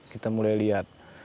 kita mulai lihat